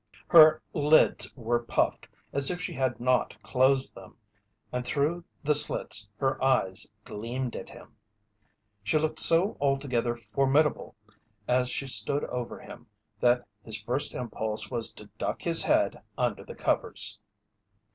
Her lids were puffed as if she had not closed them, and through the slits her eyes gleamed at him. She looked so altogether formidable as she stood over him that his first impulse was to duck his head under the covers.